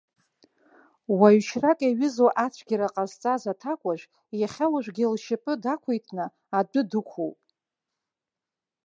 Уаҩшьрак иаҩызоу ацәгьара ҟазҵаз аҭакәажә, иахьа уажәгьы лшьапы дақәиҭны, адәы дықәуп.